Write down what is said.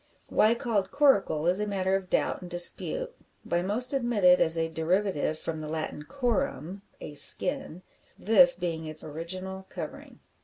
Why called "coracle" is a matter of doubt and dispute; by most admitted as a derivative from the Latin corum a skin; this being its original covering.